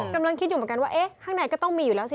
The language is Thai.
กำลังคิดอยู่เหมือนกันว่าเอ๊ะข้างในก็ต้องมีอยู่แล้วสิ